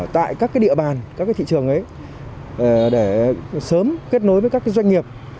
tại các địa bàn các thị trường ấy để sớm kết nối với các doanh nghiệp